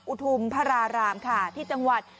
อุทุมพรราหรามค่ะที่ตะงวด